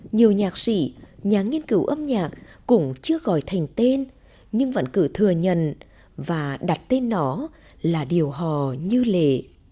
nhiều nhạc sĩ nhà nghiên cứu âm nhạc cũng chưa gọi thành tên nhưng vẫn cử thừa nhận và đặt tên nó là điều hò như lề